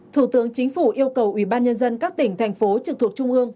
thủ tướng chính phủ yêu cầu ubnd các tỉnh thành phố trực thuộc trung ương